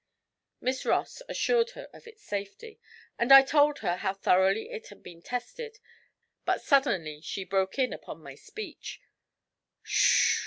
Miss Ross assured her of its safety, and I told her how thoroughly it had been tested, but suddenly she broke in upon my speech: 'S h!